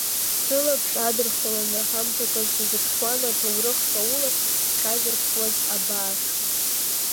Сылаԥш адырхаланы ҳамҭакы сазыԥшуан аҭоурых ҵаулахь схьазырԥшуаз абааш.